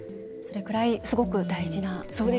それぐらい、すごく大事な。